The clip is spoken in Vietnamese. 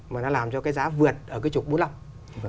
mà nó làm cho giá vượt ở trục bốn mươi năm